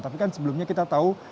tapi kan sebelumnya kita tahu